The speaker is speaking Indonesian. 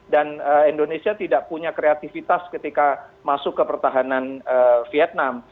dan indonesia tidak punya kreativitas ketika masuk ke pertahanan vietnam